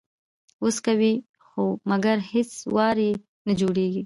وس کوي خو مګر هیڅ وار یې نه جوړیږي